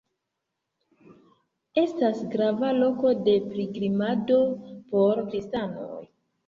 Estas grava loko de pilgrimado por kristanoj.